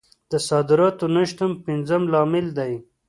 د صادراتو نه شتون پنځم لامل دی.